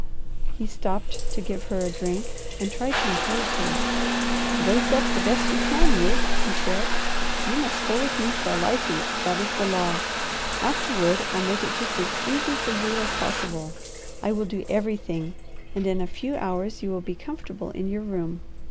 He stopped to give her a drink and tried to encourage her. "Brace up the best you can, Ruth," he said. "You must go with me for a license; that is the law. Afterward, I'll make it just as easy for you as possible. I will do everything, and in a few hours you will be comfortable in your room.